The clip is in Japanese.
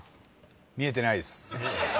見えてないです。